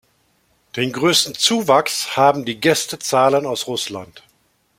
Den größten Zuwachs haben die Gästezahlen aus Russland.